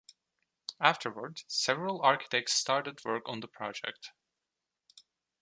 Afterward, several architects started work on the project.